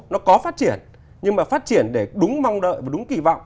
nó có phát triển nhưng mà phát triển để đúng mong đợi và đúng kỳ vọng